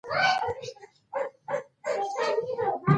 غریب له خپل حال سره عادت لري